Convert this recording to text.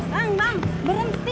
bang bang berhenti